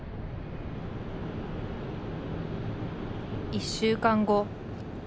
１週間後。